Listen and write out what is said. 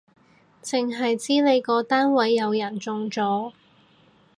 剩係知你個單位有人中咗